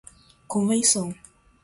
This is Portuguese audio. convenção